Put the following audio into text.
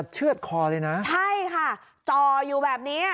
จออยู่แบบนี้